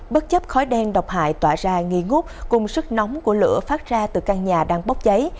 bất chấp khói đen độc hại tỏa ra nghi ngút cùng sức nóng của lửa phát ra từ căn nhà đang bốc cháy